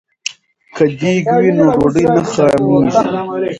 که دیګ وي نو ډوډۍ نه خامېږي.